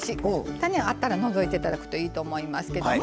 種があったら除いて頂くといいと思いますけども。